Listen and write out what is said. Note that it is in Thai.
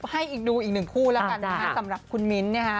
ให้ดูอีกหนึ่งคู่แล้วกันนะคะสำหรับคุณมิ้นท์นะฮะ